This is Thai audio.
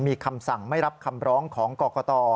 มีคำสั่งไม่รับคำร้องของกรกต